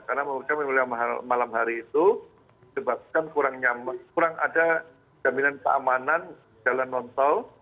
karena menurut saya memilih malam hari itu sebab kan kurang ada jaminan keamanan jalan nontol